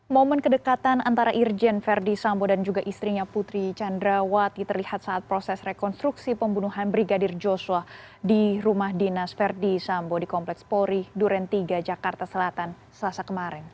momen kedekatan antara irjen verdi sambo dan juga istrinya putri candrawati terlihat saat proses rekonstruksi pembunuhan brigadir joshua di rumah dinas verdi sambo di kompleks polri duren tiga jakarta selatan selasa kemarin